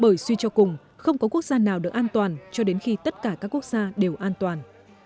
bởi suy cho cùng không có quốc gia nào được an toàn cho đến khi tất cả các quốc gia đều an toàn